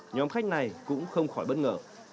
nhóm khách này cũng không khỏi bất ngờ